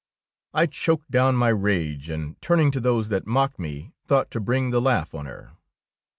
I choked down my rage, and turning to those that mocked me, thought to bring the laugh on her.